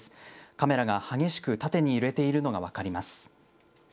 カメラが激しく縦に揺れているのが分かります。